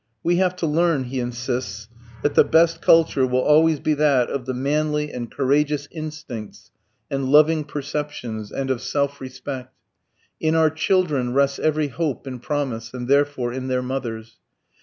We have to learn, he insists, that the best culture will always be that of the manly and courageous instincts and loving perceptions, and of self respect. In our children rests every hope and promise, and therefore in their mothers.